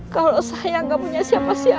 kalau saya nggak punya siapa siapa